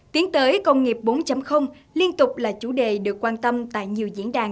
tiến tới công nghiệp bốn liên tục là chủ đề được quan tâm tại nhiều diễn đàn